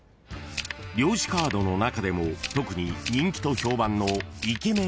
［漁師カードの中でも特に人気と評判のイケメン